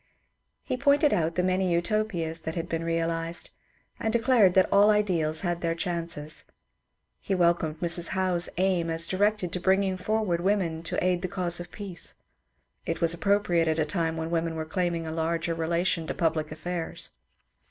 He pointed out the many Utopias that had been realized, and declared that all ideals had their chances. He welcomed Mrs. Howe's aim as directed to bringing forward women to aid the cause of peace ; it was appropriate at a time when women were claiming a larger relation to public affairs.